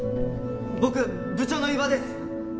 僕部長の伊庭です！